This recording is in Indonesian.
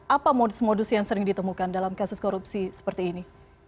apa modus modus yang sering ditemukan dalam kasus korupsi seperti ini